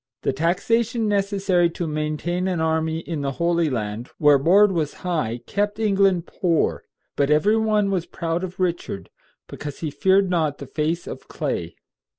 The taxation necessary to maintain an army in the Holy Land, where board was high, kept England poor; but every one was proud of Richard, because he feared not the face of clay.